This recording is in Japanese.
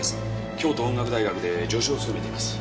京都音楽大学で助手を勤めています。